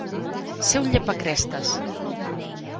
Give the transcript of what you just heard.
Ser un llepacrestes.